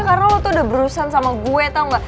ya karena lo tuh udah berusaha sama gue tau gak